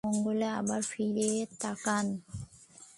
মঙ্গলেই আবার ফিরে তাকান।